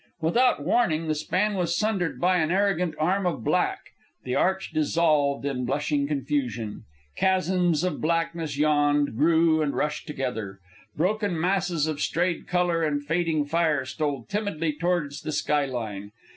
Without warning the span was sundered by an arrogant arm of black. The arch dissolved in blushing confusion. Chasms of blackness yawned, grew, and rushed together. Broken masses of strayed color and fading fire stole timidly towards the sky line.